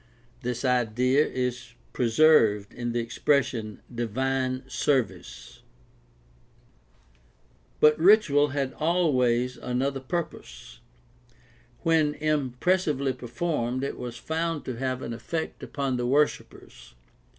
This idea is preserved in the expression "divine service." But ritual 6i6 GUIDE TO STUDY OF CHRISTIAN RELIGION had always another purpose. When impressively performed it was found to have an effect upon the worshipers.